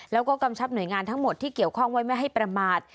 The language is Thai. แล้วก็กำชับหน่วยงานทั้งหมดที่เกี่ยวข้องไว้ไม่ให้ประมาท